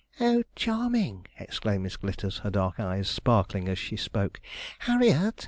'Oh, charming!' exclaimed Miss Glitters, her dark eyes sparkling as she spoke. 'Harriet!'